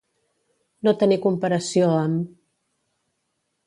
No tenir comparació amb.